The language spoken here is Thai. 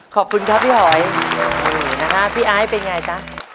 ขอบคุณครับพี่หอยพี่อายเป็นยังไงคะ